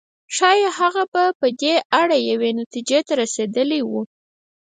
ښايي هغه به په دې اړه یوې نتيجې ته رسېدلی و.